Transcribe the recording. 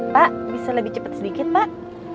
pak bisa lebih cepat sedikit pak